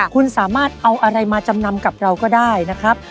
คุณสามารถเอาอะไรมาจำนำกับเราก็ได้นะครับ